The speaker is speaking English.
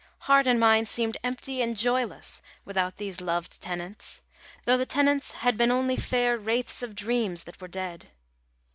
Heart and mind seemed empty and joyless without those loved tenants, though the tenants had been only fair wraiths of dreams that were dead.